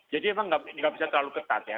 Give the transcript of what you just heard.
jadi emang nggak bisa terlalu ketat ya